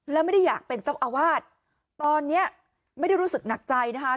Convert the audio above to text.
แล้วไม่ได้อยากเป็นเจ้าอาวาสตอนนี้ไม่ได้รู้สึกหนักใจนะคะ